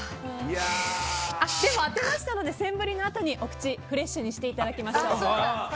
でも、当てましたのでセンブリのあとにお口、フレッシュにしていただきましょう。